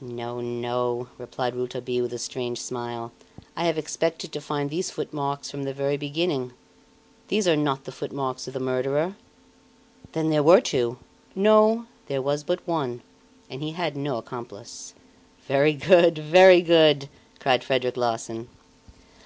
"No, no!" replied Rouletabille with a strange smile. "I have expected to find these footmarks from the very beginning. These are not the footmarks of the murderer!" "Then there were two?" "No there was but one, and he had no accomplice." "Very good! Very good!" cried Frederic Larsan.